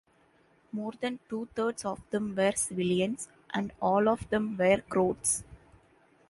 More than two thirds of them were civilians, and all of them were Croats.